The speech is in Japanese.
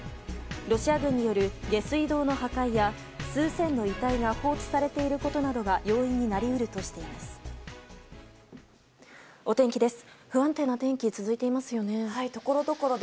ロシア軍による下水道の破壊や、数千の遺体が放置されていることなどがお天気です。